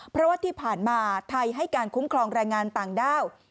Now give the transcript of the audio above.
เพราะว่าที่ผ่านมาไทยให้การคุ้มครองแรงงานต่างด้าว